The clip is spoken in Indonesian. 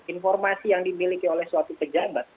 informasi yang dimiliki oleh suatu pejabat